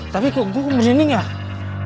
tapi kok bu berinik gak